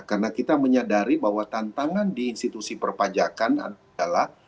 karena kita menyadari bahwa tantangan di institusi perpajakan adalah